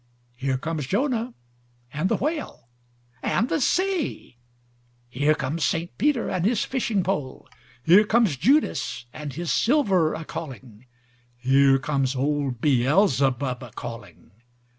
Here comes Jonah and the whale, and the sea. Here comes St. Peter and his fishing pole. Here comes Judas and his silver a calling. Here comes old Beelzebub a calling."